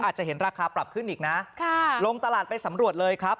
อาจจะเห็นราคาปรับขึ้นอีกนะลงตลาดไปสำรวจเลยครับ